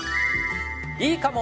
いいかも！